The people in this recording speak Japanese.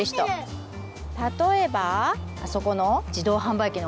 例えばあそこの自動販売機の陰とか。